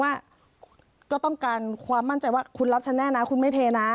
ว่าก็ต้องการความมั่นใจว่าคุณรับฉันแน่นะคุณไม่เทนะ